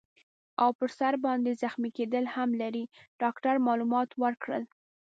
او پر سر باندي زخمي کیدل هم لري. ډاکټر معلومات ورکړل.